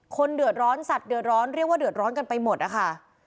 คนเดือดร้อนสัตว์เดือดร้อนเรียกว่าเดือดร้อนกันไปหมดนะคะ